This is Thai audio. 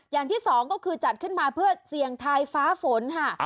อย่างที่สองก็คือจัดขึ้นมาเพื่อเสี่ยงทายฟ้าฝนค่ะ